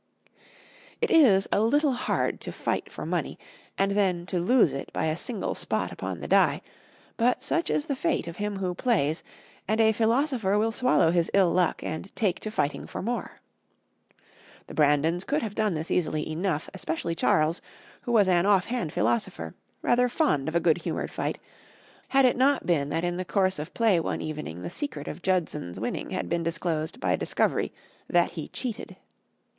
It is a little hard to fight for money and then to lose it by a single spot upon the die, but such is the fate of him who plays, and a philosopher will swallow his ill luck and take to fighting for more. The Brandons could have done this easily enough, especially Charles, who was an offhand philosopher, rather fond of a good humored fight, had it not been that in the course of play one evening the secret of Judson's winning had been disclosed by a discovery that he cheated.